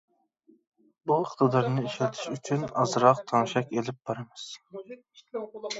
بۇ ئىقتىدارنى ئىشلىتىش ئۈچۈن ئازراق تەڭشەك ئېلىپ بارىمىز.